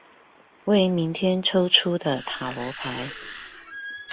為明天抽出的塔羅牌